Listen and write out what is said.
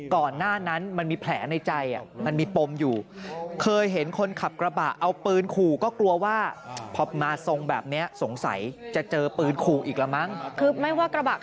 ก่อนหน้านั้นมันมีแผลในใจ